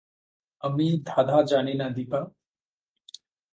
আমি ধাঁধা জানি না দিপা।